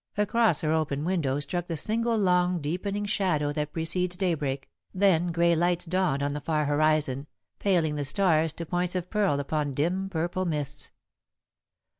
Across her open window struck the single long deepening shadow that precedes daybreak, then grey lights dawned on the far horizon, paling the stars to points of pearl upon dim purple mists.